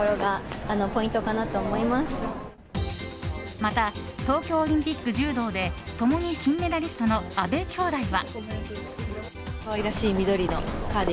また、東京オリンピック柔道で共に金メダリストの阿部兄妹は。